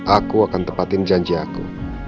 aku akan tepatin janji aku